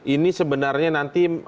ini sebenarnya nanti